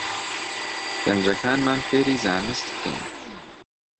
گەنجەکانمان فێری زانست بکەین